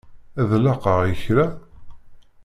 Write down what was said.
Ad laqeɣ i kra?